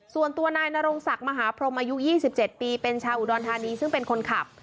ส่วนตัวนายนรงศักดิ์มหาพรมอายุ๒๗ปีเป็นชาวอุดรธานีซึ่งเป็นคนขับ